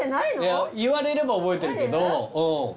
いや言われれば覚えてるけど。